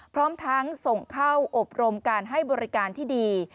พร้อมทั้งส่งเข้าอบรมการให้บริการที่ดี